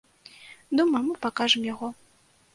Думаю, мы пакажам яго.